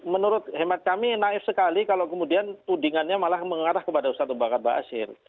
menurut hemat kami naif sekali kalau kemudian tudingannya malah mengarah kepada ustadz abu bakar basir